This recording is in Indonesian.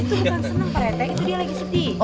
itu bukan seneng pak rt itu dia lagi sedih